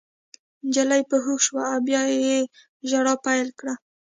نجلۍ په هوښ شوه او بیا یې ژړا پیل کړه